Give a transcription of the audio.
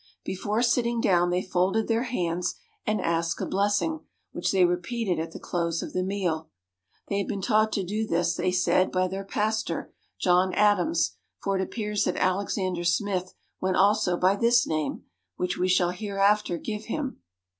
Before sitting down, they folded their hands and asked a blessing, which they repeated at the close of the meal. They had been taught to do this, they said, by their pastor, John Adams; for it appears that Alexander Smith went also by this name, which we shall hereafter give him.